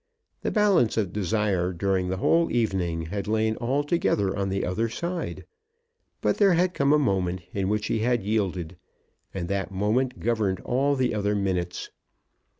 The balance of desire during the whole evening had lain altogether on the other side. But there had come a moment in which he had yielded, and that moment governed all the other minutes.